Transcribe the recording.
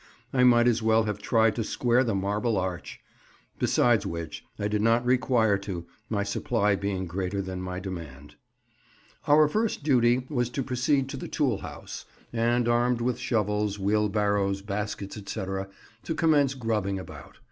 I might as well have tried to square the Marble Arch. Besides which, I did not require to, my supply being greater than my demand. Our first duty was to proceed to the tool house, and, armed with shovels, wheelbarrows, baskets, etc., to commence grubbing about.